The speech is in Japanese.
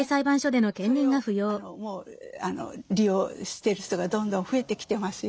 それをもう利用してる人がどんどん増えてきてますよ。